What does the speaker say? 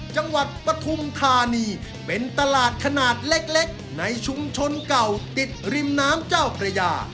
ปฐุมธานีเป็นตลาดขนาดเล็กในชุมชนเก่าติดริมน้ำเจ้าพระยา